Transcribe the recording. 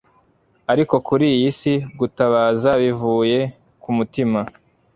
ariko kuri iyi si gutabaza bivuye ku mutima